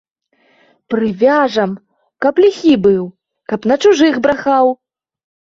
Прывяжам, каб ліхі быў, каб на чужых брахаў.